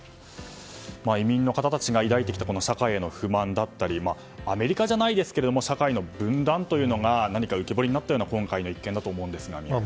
移民の方たちが抱いてきた社会の不満だったりアメリカじゃないですけど社会の分断というのが浮き彫りになったような今回の一件だと思いますが宮家さん。